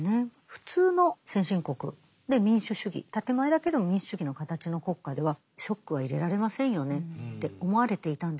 普通の先進国で民主主義建て前だけど民主主義の形の国家ではショックは入れられませんよねって思われていたんですけど